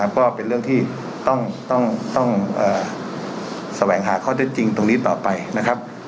ก็เป็นเรื่องที่ต้องต้องเอ่อแสวงหาค่อยให้จริงตรงนี้ต่อไปนะครับ